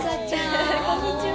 こんにちは。